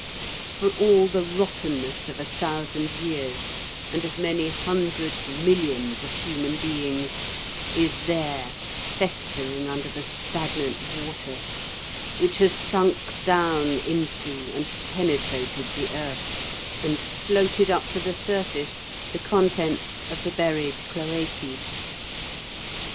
For all the rottenness of a thousand years and of many hundred millions of human beings is there festering under the stagnant water, which has sunk down into and penetrated the earth, and floated up to the surface the contents of the buried cloacæ.